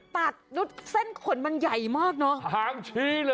ตัดหนูเส้นขนมันใหญ่มากหางชี้เลย